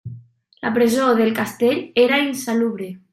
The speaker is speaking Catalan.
La presó del castell era insalubre.